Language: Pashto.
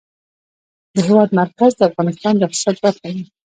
د هېواد مرکز د افغانستان د اقتصاد برخه ده.